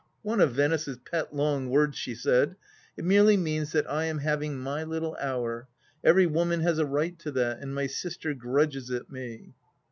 " One of Venice's pet long words," she said. " It merely means that I am having my little hour — every woman has a right to that, and my sister grudges it me."